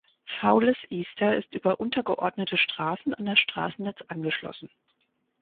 Fowlis Easter ist über untergeordnete Straßen an das Straßennetz angeschlossen.